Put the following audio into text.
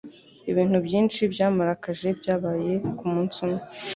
Ibintu byinshi byamurakaje byabaye kumunsi umwe.